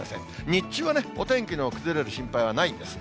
日中はね、お天気の崩れる心配はないんです。